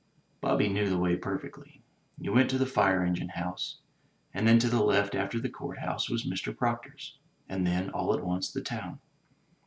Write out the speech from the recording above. Bobby knew the way perfectly. You went to the fire engine house; and then to the left after the court house was Mr. Proctor's; and then, all at once, the town.